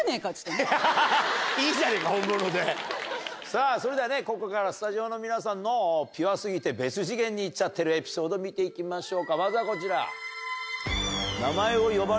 さぁそれではここからスタジオの皆さんのピュア過ぎて別次元に行っちゃってるエピソード見て行きましょうかまずはこちら。